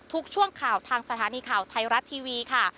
ทุกช่วงข่าวทางสถานีข่าวไทยรัฐทีวีค่ะ